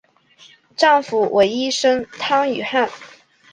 丈夫为医生汤于翰。